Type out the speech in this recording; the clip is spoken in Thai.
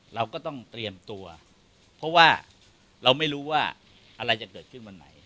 เราก็ต้องเตรียมตัวเพราะว่าเราไม่รู้ว่าอะไรจะเกิดขึ้นวันไหน